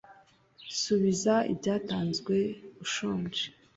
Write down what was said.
subiza ibyatanzwe ushonje